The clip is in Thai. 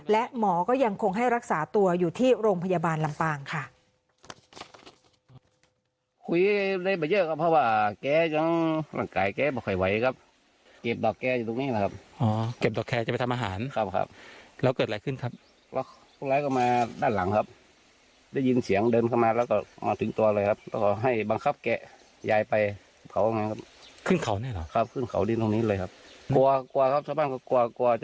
และหมอก็ยังคงให้รักษาตัวอยู่ที่โรงพยาบาลลำปางค่ะ